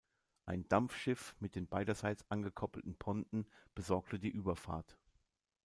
Ein Dampfschiff mit den beiderseits angekoppelten Ponten besorgte die Überfahrt.